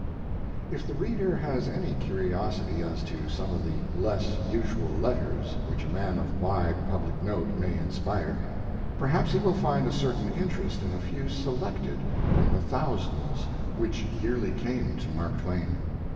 If the reader has any curiosity as to some of the less usual letters which a man of wide public note may inspire, perhaps he will find a certain interest in a few selected from the thousands which yearly came to Mark Twain.